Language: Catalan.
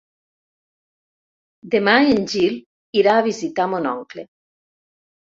Demà en Gil irà a visitar mon oncle.